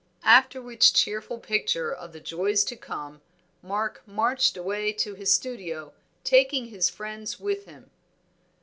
After which cheerful picture of the joys to come, Mark marched away to his studio, taking his friends with him.